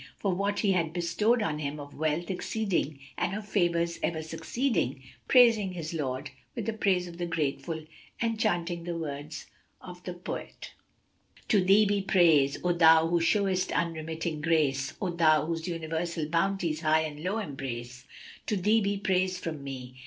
for what He had bestowed on him of wealth exceeding and of favours ever succeeding, praising his Lord with the praise of the grateful and chanting the words of the poet, "To Thee be praise, O Thou who showest unremitting grace; * O Thou whose universal bounties high and low embrace! To Thee be praise from me!